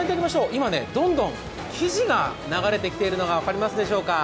今、どんどん生地が流れてくるのが分かりますでしょうか。